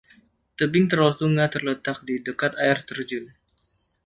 Tebing Trolltunga terletak di dekat air terjun.